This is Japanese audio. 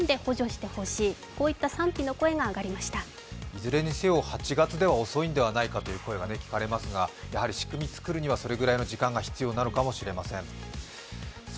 いずれにせよ８月では遅いのではないかという声が聞かれますがやはり仕組みを作るにはそれぐらいの時間が必要なのかもしれません。